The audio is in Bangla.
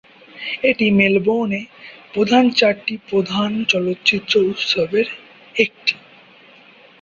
এটি মেলবোর্নে প্রধান চারটি প্রধান চলচ্চিত্র উৎসবের একটি।